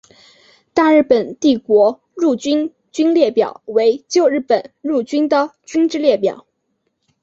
大日本帝国陆军军列表为旧日本陆军的军之列表。